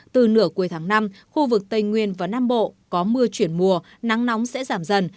từ nửa cuối tháng năm khu vực tây nguyên và nam bộ có mưa chuyển mùa nắng nóng sẽ giảm dần